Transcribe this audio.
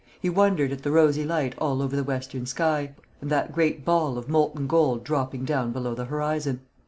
He wondered at the rosy light all over the western sky, and that great ball of molten gold dropping down below the horizon.